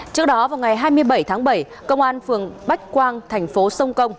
trước đó vào ngày hai mươi bảy tháng bảy công an phường bách quang thành phố sông công